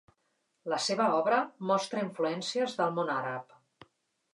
La seva obra mostra influències del món àrab.